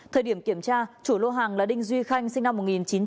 thời điểm kiểm tra chủ lô hàng là đinh duy khanh sinh năm một nghìn chín trăm tám mươi